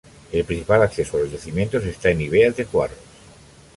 El principal acceso a los yacimientos está en Ibeas de Juarros.